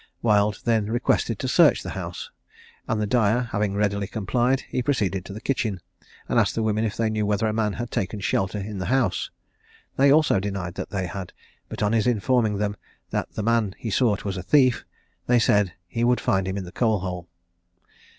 Wild then requested to search the house, and the dyer having readily complied, he proceeded to the kitchen, and asked the women if they knew whether a man had taken shelter in the house. They also denied that they had, but on his informing them that the man he sought was a thief, they said he would find him in the coal hole.